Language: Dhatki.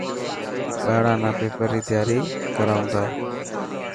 ٻاران نا پيپر ري تياري ڪرائون ٿا.